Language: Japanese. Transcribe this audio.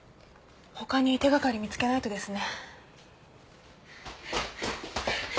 他に手掛かり見つけないとですね。